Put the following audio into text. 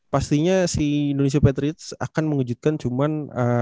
pastinya si indonesia patrick akan mengejutkan cuman